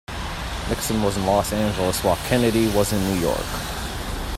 Nixon was in Los Angeles while Kennedy was in New York.